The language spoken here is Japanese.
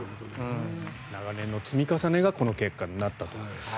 長年の積み重ねがこの結果になったと。